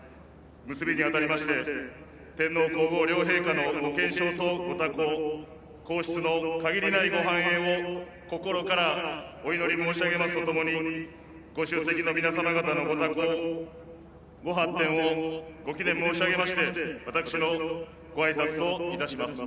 結びにあたりまして天皇皇后両陛下のご健勝とご多幸皇室の限りないご繁栄を心からお祈り申し上げますとともにご出席の皆様方のご多幸ご発展をご祈念申し上げまして私のご挨拶といたします。